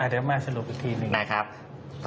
เดี๋ยวมาสรุปอีกทีหนึ่ง